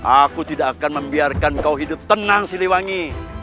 aku tidak akan membiarkan kau hidup tenang siliwangi